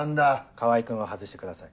川合君は外してください。